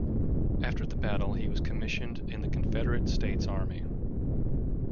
After the battle, he was commissioned in the Confederate States Army.